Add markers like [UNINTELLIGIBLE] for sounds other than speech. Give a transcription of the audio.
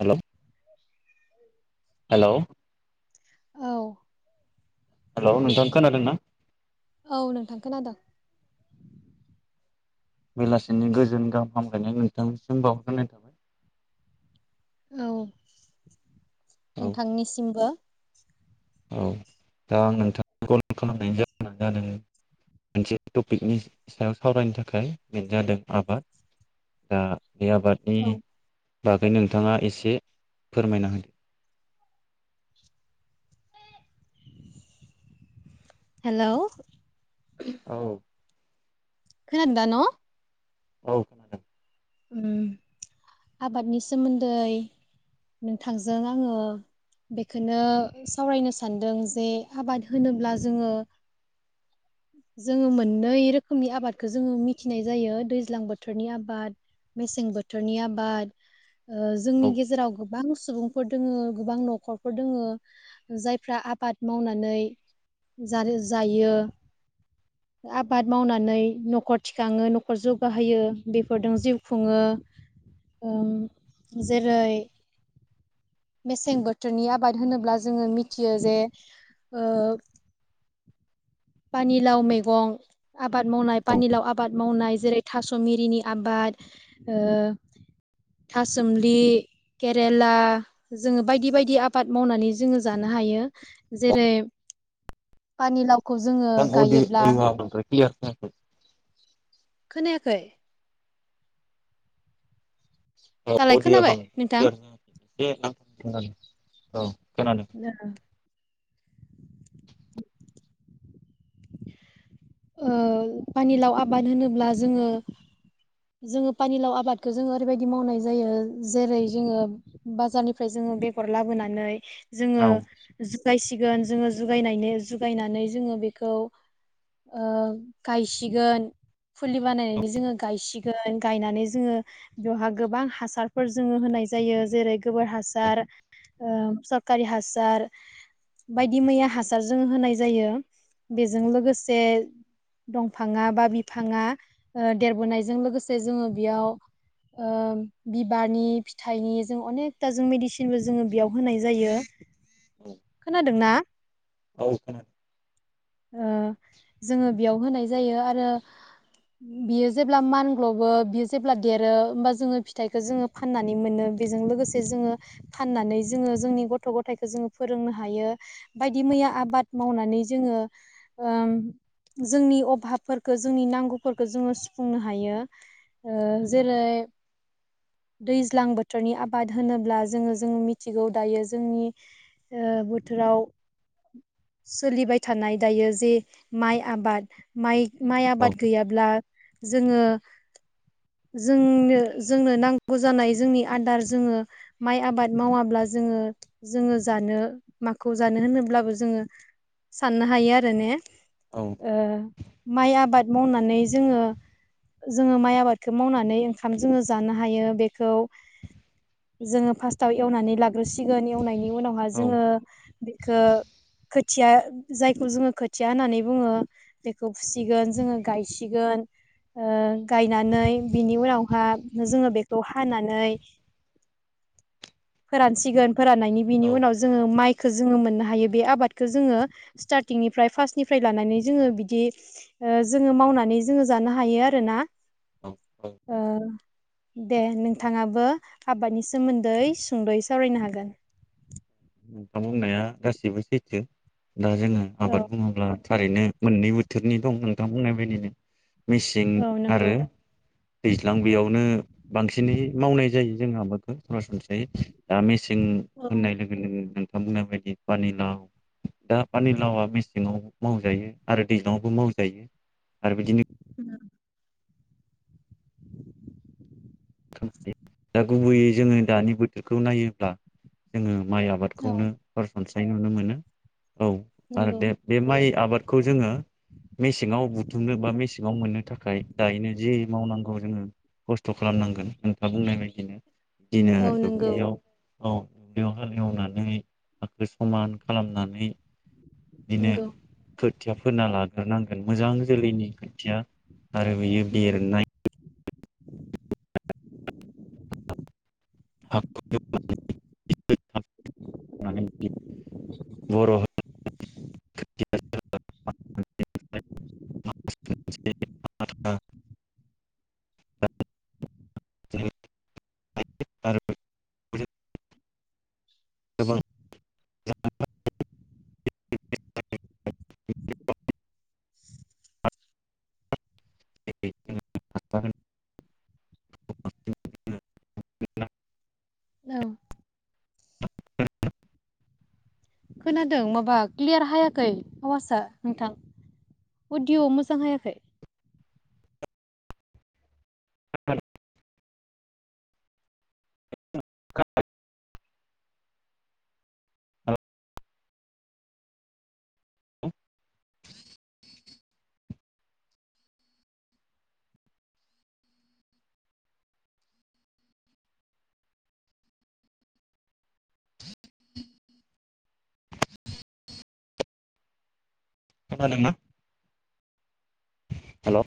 हेल' औ हेल' औ हेल' नोंथां खोनादोंना औ नोंथां खोनादोंं। बेलासिनि गोजोन गाहाम हामलायनाय नोंथांसिम बावरग्रोनाय थाबाय। औ औ नोंथांनिसिमबो औ दा आं नोंथांनि कल खालाम जाहोन जादों मोनसे टपिकनि सायाव सावरायनो थाखाय बेनो जादों आबाद दा बे आबादनि औ बागै नोंथाङा एसे फोरमायना होदो हेल' औ खोनदों दा न? औ खोनादों। ओम आबादनि सोमोन्दै नोंथांजों आङो बेखौनो सावरायनो सानदों जे आबाद होनोब्ला जोङो जोङो मोननै रोखोमनि आबादखौ जोङो मिथिनाय जायो दैज्लां बोथोरनि आबाद मेसें बोथोरनि आबाद ओ औ जोंनि औ गेजेराव। गोबां सुबुंफोर दोङो गोबां न'खरफोर दोङो जायफ्रा आबाद मावनानै जायो जायो आबाद मावनानै न'खर थिखाङो न'खर जौगाहयो बेफोरदों जिउ। खुङो ओ जेरै मेसें बोथोरनि आबाद होनोब्ला जोङो मिथियो जे ओ। फानिलाव मैगं। आबाद मावनाय पानिलाव आबाद मावनाय। जेरै थास' मिरिनि आबाद ओ थासुमलि केरेला जोङो बायदि बायदि आबाद मावनानै जोङो जानो हायो जेरै फानि [INAUDIBLE] [INAUDIBLE] खोनायाखै? दालाय खोनाबाय नोंथां [INAUDIBLE] औ। खोनादों [INAUDIBLE] ओ पानिलाव आबाद होनोब्ला जोङो जोङो फानिलाव आबादखो जोङो ओरैबायदि मावनाय जायो जेरै जोङो बाजारनिफ्राय जोङो बेगर लाबोनानै। जोङो औ जुगाय। गोन जोङो जुगायनायने जुगायनानै जोङो बेखौ। ओ गायसिगोन फुलि बानायनानै जोङो गायसिगोन गायनानै जोङो बेवहा गोबां हासारफोर जोङो होनाय जायो जेरै गोबोर हासार ओ सरखारि हासार बायदि मैया हासार जोङो होनाय जायो बेजों लोगो। से दंफाङा बा बिफाङा देरबोनायजों लोगोसे जोङो बेयाव ओ बिबारनि फिथाइनि जों अनेकथा जों मेडिसिनबो जोङो बेयाव होनाय जायो खोनादोंना? औ खोनादों। ओ जोङो। बेयाव होनाय जायो आरो बियो जेब्ला मान ग्लबो बियो जेब्ला देरो होमबा जोङो फिथाइखौ जोङो फाननानै मोनो बेजों लोगोसे जोङो फाननानै जोङो जोंनि गथ' गथायाइखौ जोङो फोरोंनो हायो बायदि मैया आबाद मावनानै जोङो। जोंनि अभाबफोर। खो जोंनि नांगौफोरखो जोङो सुफुंनो हायो ओ जेरै। दैज्लां बोथोरनि आबाद होनोब्ला जोङो जों मिथिगौ दायो जोंनि ओ बोथोराव सोलिबाय। थानाय दायो जे माइ आबाद माइ। माइ औ आबाद गैयाब्ला जोङो। जोंनो जोंनो नांगौ जानाय जोंनि आदार जोङो माइ आबाद मावाब्ला जोङो जोङो जानो माखौ जानो होनोब्लाबो जोङो। साननो हायो आरो ने? औ। ओ माइ आबाद मावनानै जोङो जोङो माइ आबादखौ मावनानै ओंखाम जोङो जानो हायो बेखौ जोङो फासथाव एवनानै लाग्रोसिगोन एवनायनि। उनावहा औ जोङो बेखो। खोथिया। जायखौ जोङो खोथिया होननानै बुङो बेखौ फुसिगोन जोङो गायसिगोन ओ गायनानै बिनि उनावहा जोङो बेखौ हानानै फोरानसिगोन। फोराननायनि औ बिनि उनाव जोङो माइ। खो जोङो मोननो हायो बे आबादखो जोङो। स्टार्टिंनिफ्राय फार्स्टनिफ्राय लानानै जोङो बिदि जोङो मावनानै जोङो जानो हायो आरोना। औ औ ओ दे नोंथाङाबो आबादनि सोमोन्दै सुंद'यै सावरायनो हागोन। नोंथां बुंनाया गाससिबो सैथो। दा जोङो औ आबाद माबुङोब्ला। थारैनो मोननै बोथोरनि दं नोंथां बुंनाय बदिनो मिसिं औ नंगौ आरो दैज्लां बेयावनो बांसिनै मावनाय जायो जों हाबाखौ सरासनस्रायै दा सिं औ होननाय लोगो लोगो नोंथां बुंनाय बायदि पानिलाव दा पानिलावा मेसेङाव मावजायो आरो दैजङावबो मावजायो आरो बिदिनो खायो दा गुबैयै जोङो दानि बोथोरखौ नायोब्ला जोङो माइ औ आबादखौनो हर सानस्रि फ्रायनुनो मोनो औ आरो नंगौ देब बे माइ आबादखौ जोङो मेसेङाव बुथुमनो बा मेसेङाव मोननो थाखाय थाखाय दायोनो जि मावनांगौ जोङो खस्थ' खालामनांगौ गोन नोंथा बुंनाय बायदिनो दिनो औ नंगौ दुब्लियाव औ देवहोल हेवनानै हाखो समान खालामनानै। बिदिनो नंगौ खो खोथिया फोनना लाग्रोनांगोन मोजां जोलैनि खोथिया आरो बियो नंगौ बेरनाय [UNINTELLIGIBLE] [UNINTELLIGIBLE] बर' [UNINTELLIGIBLE] [UNINTELLIGIBLE] गोबां [UNINTELLIGIBLE] [UNINTELLIGIBLE] औ [UNINTELLIGIBLE] खोनादों माबा क्लियार हायाखै आवासआ नोंथां अडिअ मोजां हायाखै। [UNINTELLIGIBLE] खोनादों ना हेलौ